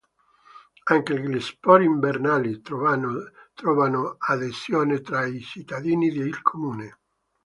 Anche gli sport invernali trovano adesione tra i cittadini del comune.